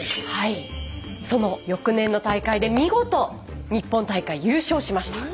その翌年の大会で見事日本大会優勝しました。